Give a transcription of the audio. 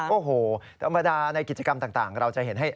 โอ้โหธรรมดาในกิจกรรมต่างเราจะเห็นให้